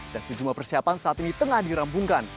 dan sejumlah persiapan saat ini tengah dirampungkan